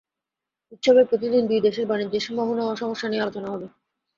উৎসবের প্রতিদিন দুই দেশের বাণিজ্যের সম্ভাবনা ও সমস্যা নিয়ে আলোচনা হবে।